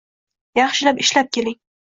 Yaxshi ishlab keling.